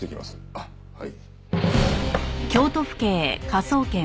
あっはい。